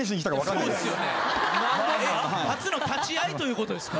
初の立ち会いということですか。